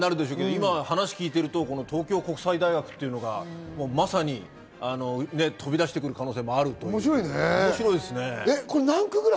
今、話を聞いていると東京国際大学がまさに飛び出してくる可能性もあると面白いですね。